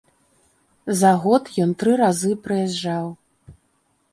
За год ён тры разы прыязджаў.